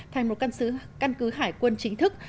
thành một căn cứ hải quân chính thức